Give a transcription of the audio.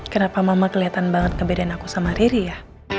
kenapa mama kelihatan banget kebedaan aku sama riri ya